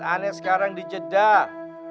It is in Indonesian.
ana sekarang di jeddah